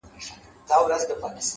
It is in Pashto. علم د پوهې دروازې پرانیزي